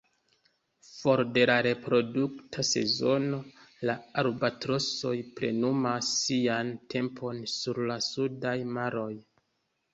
For de la reprodukta sezono, la albatrosoj plenumas sian tempon sur la sudaj maroj.